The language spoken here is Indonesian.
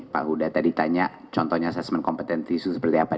pak huda tadi tanya contohnya asesmen kompetensi seperti apa